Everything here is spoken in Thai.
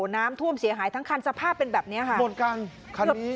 น้ำท่วมเสียหายทั้งคันสภาพเป็นแบบเนี้ยค่ะหมดกันคันนี้